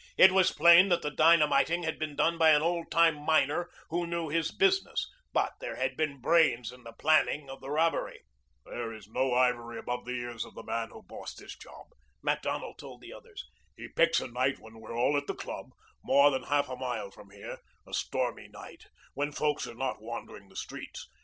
It was plain that the dynamiting had been done by an old time miner who knew his business, but there had been brains in the planning of the robbery. "There is no ivory above the ears of the man who bossed this job," Macdonald told the others. "He picks a night when we're all at the club, more than half a mile from here, a stormy night when folks are not wandering the streets.